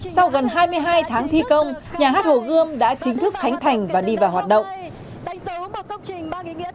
sau gần hai mươi hai tháng thi công nhà hát hồ gươm đã chính thức khánh thành và đi vào hoạt động